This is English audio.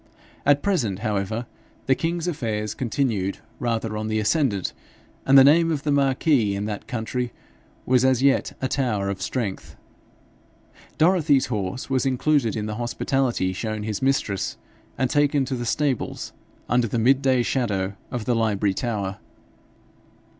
At present, however, the king's affairs continued rather on the ascendant, and the name of the marquis in that country was as yet a tower of strength. Dorothy's horse was included in the hospitality shown his mistress, and taken to the stables under the mid day shadow of the Library Tower.